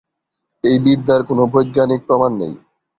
এই বিদ্যার কোনও বৈজ্ঞানিক প্রমাণ নেই।